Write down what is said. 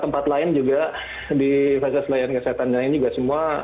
maksudnya bukan hanya di wisma